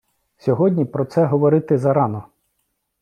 Сьогодні про це говорити зарано!